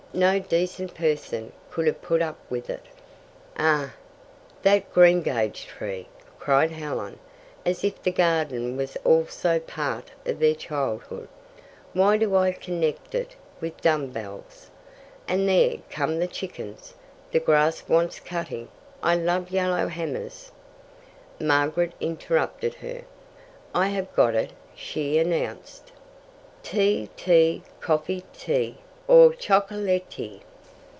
No decent person could have put up with it." "Ah, that greengage tree," cried Helen, as if the garden was also part of their childhood. "Why do I connect it with dumbbells? And there come the chickens. The grass wants cutting. I love yellow hammers " Margaret interrupted her. "I have got it," she announced. 'Tea, tea, coffee, tea, Or chocolaritee.'